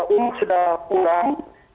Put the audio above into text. umum sudah kurang